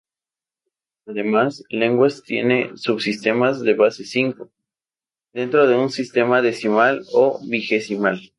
Algunas lenguas tienen subsistemas de base cinco, dentro de un sistema decimal o vigesimal.